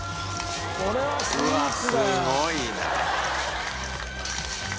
うわっすごいな。